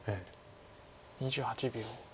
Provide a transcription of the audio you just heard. ２８秒。